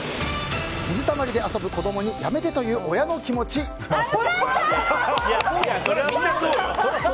水たまりで遊ぶ子供に汚れるからやめてと言う親の気持ちです。